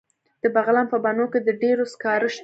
د بغلان په بنو کې د ډبرو سکاره شته.